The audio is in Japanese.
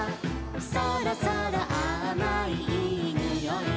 「そろそろあまいいいにおい」